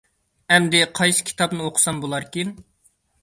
ئەمدى قايسى كىتابنى ئوقۇسام بولاركىن؟